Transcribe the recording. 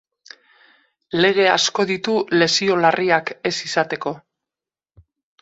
Lege asko ditu lesio larriak ez izateko.